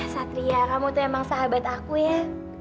satria kamu tuh emang sahabat aku ya